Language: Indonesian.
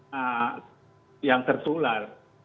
di sekolah tidak ada yang tertular